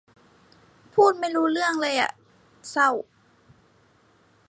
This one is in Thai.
พูดไม่รู้เรื่องเลยอ่ะ เศร้า